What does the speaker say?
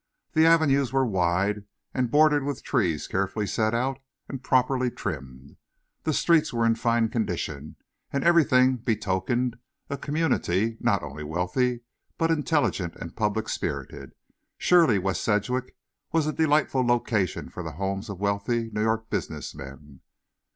The avenues were wide, and bordered with trees carefully set out and properly trimmed. The streets were in fine condition, and everything betokened a community, not only wealthy, but intelligent and public spirited. Surely West Sedgwick was a delightful location for the homes of wealthy New York business men.